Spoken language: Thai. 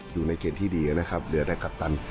อยู่ในเกณฑ์ที่ดีนะครับเหลือแต่กัปตัน